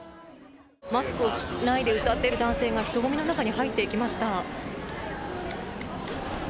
マスクをしないで歌っている男性が人混みの中に入っていきました。